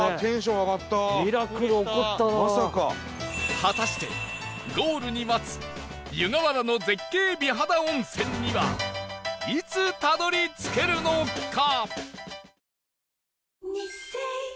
果たしてゴールに待つ湯河原の絶景美肌温泉にはいつたどり着けるのか？